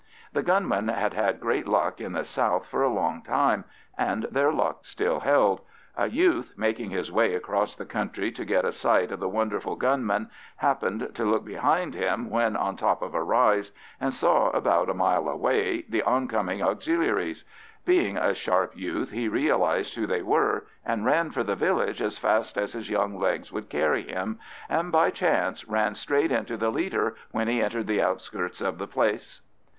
The gunmen had had great luck in the south for a long time, and their luck still held. A youth, making his way across country to get a sight of the wonderful gunmen, happened to look behind him when on top of a rise, and saw about a mile away the oncoming Auxiliaries. Being a sharp youth he realised who they were, and ran for the village as fast as his young legs would carry him, and by chance ran straight into the leader when he entered the outskirts of the place.